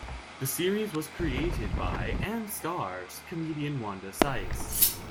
The series was created by and stars comedian Wanda Sykes.